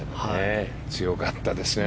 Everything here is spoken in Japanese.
強かったですよね